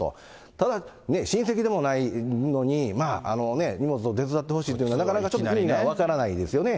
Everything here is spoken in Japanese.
ただ親戚でもないのに、荷物を手伝ってほしいというのは、なかなかね、ちょっと意味が分からないですよね。